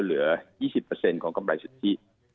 เหลือ๒๐ของกำไรสุทธิ